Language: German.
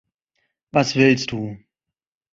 Was willst du?